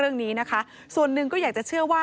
ซึ่งทุกคนเคารพนับถือมากศาลตั้งอยู่ริมสะน้ำท้ายหมู่บ้าน